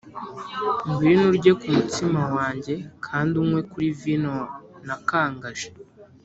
“ngwino urye ku mutsima wanjye, kandi unywe kuri vino nakangaje